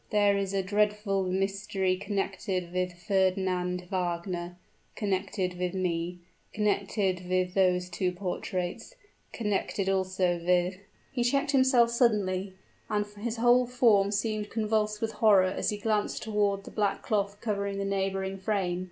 "There is a dreadful mystery connected with Fernand Wagner connected with me connected with these two portraits connected also with " He checked himself suddenly, and his whole form seemed convulsed with horror as he glanced toward the black cloth covering the neighboring frame.